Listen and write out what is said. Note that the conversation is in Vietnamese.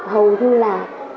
hầu như là